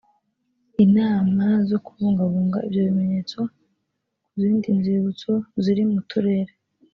inama zo kubungabunga ibyo bimenyetso ku zindi nzibutso ziri mu turere